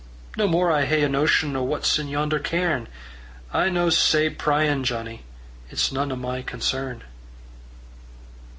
"No more I hae a notion O' what's in yonder cairn; I'm no sae pryin', Johnnie, It's none o' my concern."